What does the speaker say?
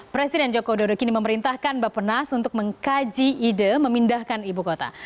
presiden joko dodo kini memerintahkan bapak nas untuk mengkaji ide memindahkan ibu kota